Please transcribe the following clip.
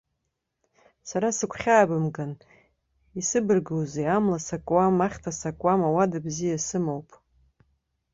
Сара сыгәхьаабымган, исыбаргәузеи, амла сакуам, ахьҭа сакуам, ауада бзиа сымоуп.